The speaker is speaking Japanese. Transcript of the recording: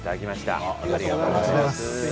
ありがとうございます。